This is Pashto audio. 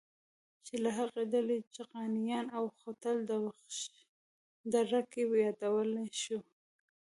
چې له هغې ډلې چغانيان او خوتل د وخش دره کې يادولی شو.